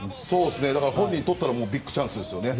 本人に取ったらビッグチャンスですよね。